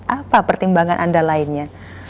apa pertimbangan anda lainnya